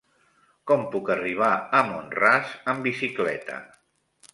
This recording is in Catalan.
Com puc arribar a Mont-ras amb bicicleta?